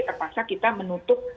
terpaksa kita menutup